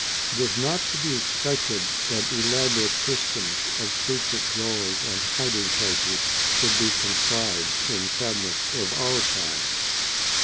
It is not to be expected that elaborate systems of secret drawers and hiding places should be contrived in cabinets of our time.